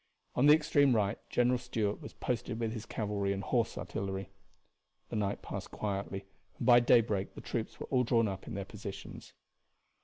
On the extreme right General Stuart was posted with his cavalry and horse artillery. The night passed quietly and by daybreak the troops were all drawn up in their positions.